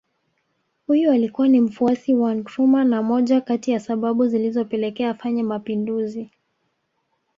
Huyu alikuwa ni mfuasi wa Nkrumah na moja kati ya sababu zilizopelekea afanye Mapinduzi